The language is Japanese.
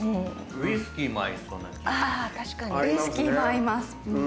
ウイスキーも合います。